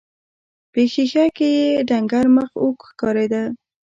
په ښيښه کې يې ډنګر مخ اوږد ښکارېده.